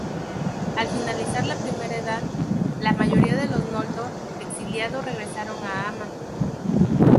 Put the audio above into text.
Al finalizar la Primera Edad, la mayoría de los Noldor exiliados regresaron a Aman.